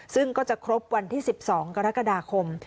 ซึ่งก็จะครบวันที่๑๒กรกฎาคม